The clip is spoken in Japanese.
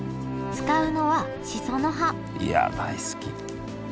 使うのはしその葉いや大好き！